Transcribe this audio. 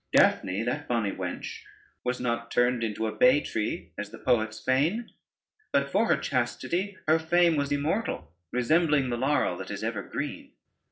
Daphne, that bonny wench, was not turned into a bay tree, as the poets feign: but for her chastity her fame was immortal, resembling the laurel that is ever green.